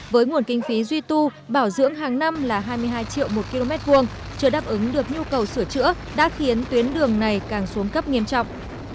với nguồn kinh phí duy tu bảo dưỡng hàng năm là hai mươi hai triệu một km hai chưa đáp ứng được nhu cầu sửa chữa đã khiến tuyến đường này càng xuống cấp nghiêm trọng